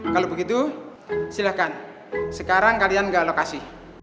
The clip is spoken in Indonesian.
kalau begitu silahkan sekarang kalian nggak lokasi